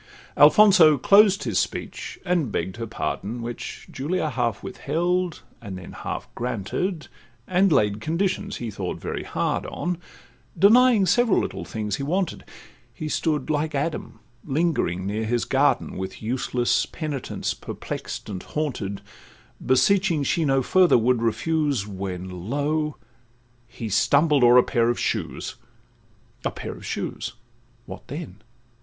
Alfonso closed his speech, and begg'd her pardon, Which Julia half withheld, and then half granted, And laid conditions he thought very hard on, Denying several little things he wanted: He stood like Adam lingering near his garden, With useless penitence perplex'd and haunted, Beseeching she no further would refuse, When, lo! he stumbled o'er a pair of shoes. A pair of shoes!—what then?